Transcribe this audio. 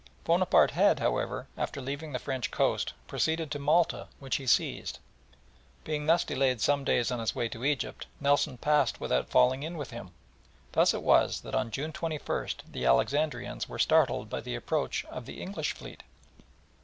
Bonaparte had, however, after leaving the French coast, proceeded to Malta, which he seized, and being thus delayed some days on his way to Egypt, Nelson passed without falling in with him, and thus it was that on June 21st the Alexandrians were startled by the approach of the English Fleet.